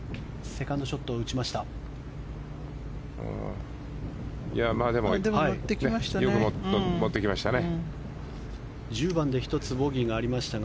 セカンドショットを打ちました。